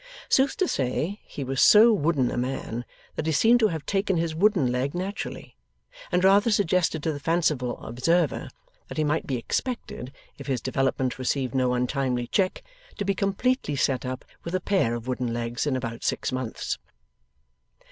Sooth to say, he was so wooden a man that he seemed to have taken his wooden leg naturally, and rather suggested to the fanciful observer, that he might be expected if his development received no untimely check to be completely set up with a pair of wooden legs in about six months.